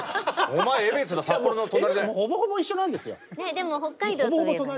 でも北海道といえばね